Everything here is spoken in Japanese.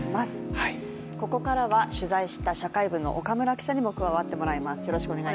ここからは取材した社会部の岡村記者にも加わっていただきます。